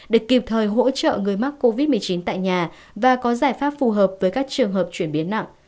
để kịp thời hỗ trợ người mắc covid một mươi chín tại nhà và có giải pháp phù hợp với các trường hợp chuyển biến nặng